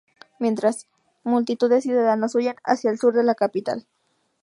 Mientras, multitud de ciudadanos huyen hacia el sur de la capital.